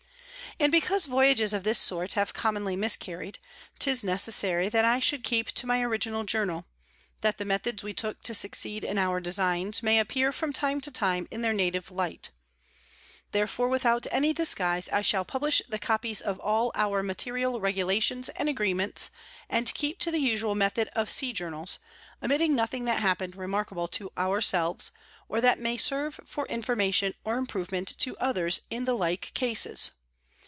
And because Voyages of this sort have commonly miscarry'd, 'tis necessary that I should keep to my Original Journal; that the Methods we took to succeed in our Designs, may appear from time to time in their native Light: Therefore without any disguise I shall publish the Copies of all our material Regulations and Agreements, and keep to the usual Method of Sea Journals, omitting nothing that happen'd remarkable to our selves, or that may serve for Information or Improvement to others in the like Cases.